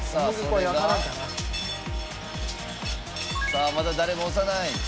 さあまだ誰も押さない。